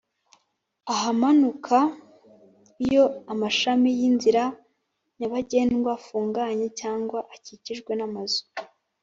Ahamanuka iyo amashami y inzira nyabagendwa afunganye cyangwa akikijwe n amazu